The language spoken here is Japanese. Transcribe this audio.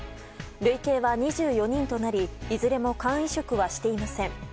累計は２４人となりいずれも肝移植はしていません。